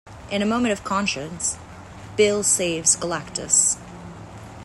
In a moment of conscience, Bill saves Galactus.